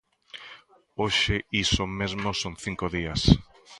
Hoxe iso mesmo son cinco días.